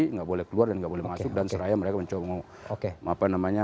tidak boleh keluar dan nggak boleh masuk dan seraya mereka mencoba